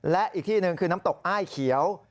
และอีกที่หนึ่งคือน้ำตกอ้ายเขียว